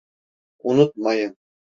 Unutmayın…